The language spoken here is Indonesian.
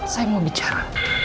saya mau bicara